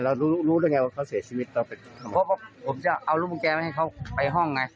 เรารู้ได้ไงว่าเขาเสียชีวิตต่อไปผมจะเอารุ่นแก้ไว้ให้เขาไปห้องไง